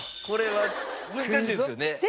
これは難しいですよね。